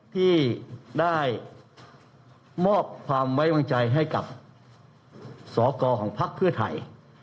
ที่ได้มอบความไว้วางใจให้กับสกของพักเพื่อไทย